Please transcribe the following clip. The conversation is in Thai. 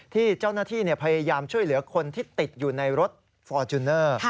ที่เจ้าหน้าที่พยายามช่วยเหลือคนที่ติดอยู่ในรถฟอร์จูเนอร์